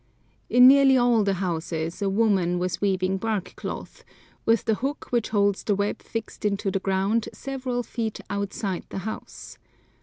In nearly all the houses a woman was weaving bark cloth, with the hook which holds the web fixed into the ground several feet outside the house.